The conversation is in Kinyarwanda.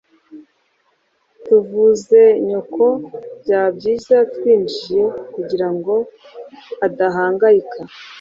Tuvuze nyoko, byaba byiza twinjiye kugirango adahangayika.